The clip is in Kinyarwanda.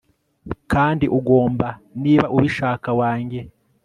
kandi ugomba, niba ubishaka, wange